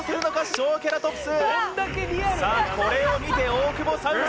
ショウケラトプス。